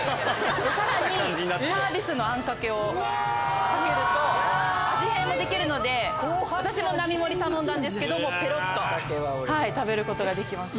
さらにサービスのあんかけをかけると味変もできるので私並盛り頼んだんですけどぺろっと食べることができました。